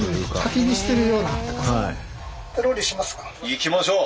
いきましょう。